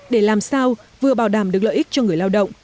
để làm sao vừa bảo đảm được lợi ích cho người lao động